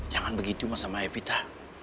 jangan begitu mas sama evita